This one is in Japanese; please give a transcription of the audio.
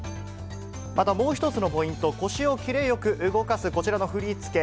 またもう一つのポイント、腰をキレよく動かす、こちらの振り付け。